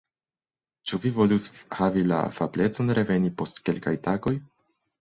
Ĉu vi volus havi la afablecon reveni post kelkaj tagoj?